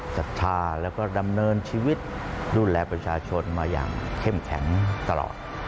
ศรัทธาแล้วก็ดำเนินชีวิตดูแลประชาชนมาอย่างเข้มแข็งตลอด